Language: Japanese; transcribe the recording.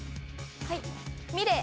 はい。